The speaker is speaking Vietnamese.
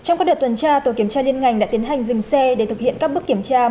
trong các đợt tuần tra tổ kiểm tra liên ngành đã tiến hành dừng xe để thực hiện các bước kiểm tra